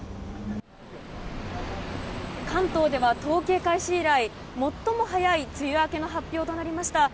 関東では統計開始以来最も早い梅雨明けの発表となりました。